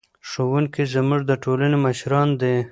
ښوونکي زموږ د ټولنې مشران دي.